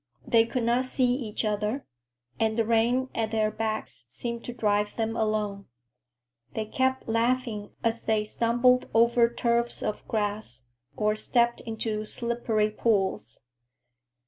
They could not see each other, and the rain at their backs seemed to drive them along. They kept laughing as they stumbled over tufts of grass or stepped into slippery pools.